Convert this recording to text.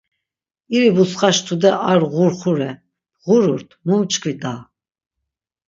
İri butsxaş tude ar ğurxure, bğururt munçkvi da.